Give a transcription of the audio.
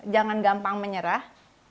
jangan gampang menyerah